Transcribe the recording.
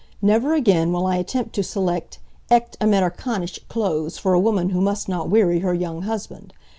Never again will I attempt to select "echt Amerikanische" clothes for a woman who must not weary her young husband.